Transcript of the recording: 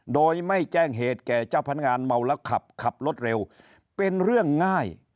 โดยไม่แจ้งเหตุแก่เจ้าพนักงานเมาแล้วขับขับรถเร็วเป็นเรื่องง่าย